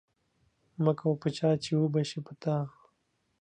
مه کوه په چا، چی وبه شي په تا